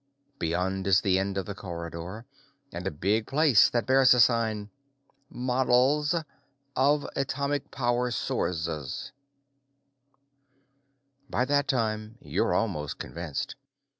Beyond is the end of the corridor, and a big place that bears a sign, Mad:lz *v Atamic Pau:r Sorsez. By that time, you're almost convinced.